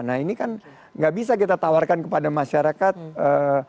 nah ini kan nggak bisa kita tawarkan kepada masyarakat